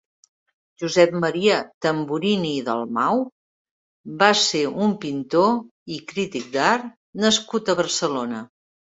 Josep Maria Tamburini i Dalmau va ser un pintor i crític d'art nascut a Barcelona.